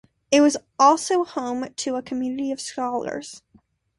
It was also home to a community of scholars.